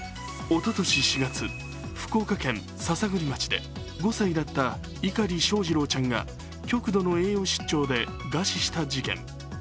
おととし４月、福岡県篠栗町で５歳だった碇翔士郎ちゃんが極度の栄養失調で餓死した事件。